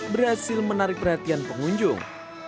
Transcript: berhasil menarik perhatian pengunjung